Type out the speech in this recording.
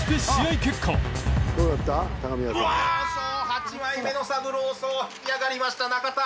８枚目のサブローソー引き上がりました仲田。